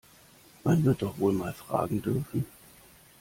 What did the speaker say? Man wird doch wohl mal fragen dürfen!